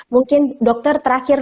mungkin dokter terakhir